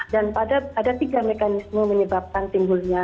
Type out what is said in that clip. dan ada tiga mekanisme menyebabkan timbulnya